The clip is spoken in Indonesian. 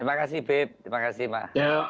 terima kasih bip terima kasih pak